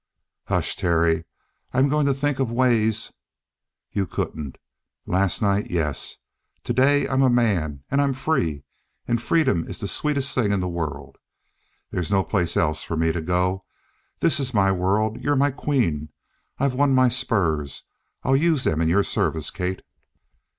"Hush, Terry. I I'm going to think of ways!" "You couldn't. Last night yes. Today I'm a man and I'm free. And freedom is the sweetest thing in the world. There's no place else for me to go. This is my world. You're my queen. I've won my spurs; I'll use them in your service, Kate."